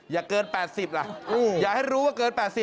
อย่าเกิน๘๐ล่ะอย่าให้รู้ว่าเกิน๘๐